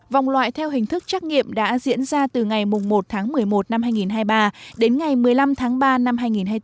vòng loại theo hình thức trắc nghiệm đã diễn ra từ ngày một tháng một mươi một năm hai nghìn hai mươi ba đến ngày một mươi năm tháng ba năm hai nghìn hai mươi bốn